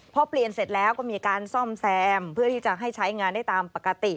พอเปลี่ยนเสร็จแล้วก็มีการซ่อมแซมเพื่อที่จะให้ใช้งานได้ตามปกติ